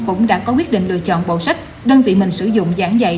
cũng đã có quyết định lựa chọn bộ sách đơn vị mình sử dụng giảng dạy